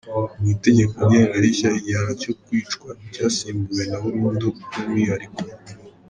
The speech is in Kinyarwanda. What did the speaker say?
Mu Itegeko Ngenga rishya igihano cyo kwicwa cyasimbuwe na burundu bw’umwihariko